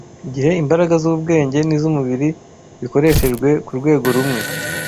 igihe imbaraga z’ubwenge n’iz’umubiri bikoreshejwe ku rwego rumwe